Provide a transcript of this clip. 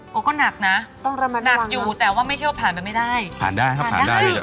โอ้โหก็หนักนะนักอยู่แต่ว่าไม่ใช่ว่าผ่านไปไม่ได้ผ่านได้ค่ะผ่านได้